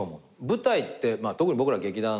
舞台って特に僕ら劇団。